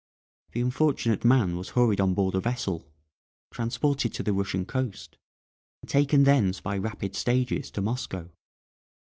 The unfortunate man was hurried on board a vessel, transported to the Russian coast, and taken thence by rapid stages to Moscow.